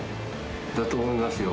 だと思いますよ。